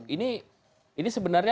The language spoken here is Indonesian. ini ini sebenarnya